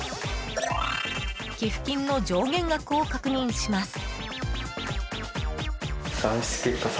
寄付金の上限額を確認します。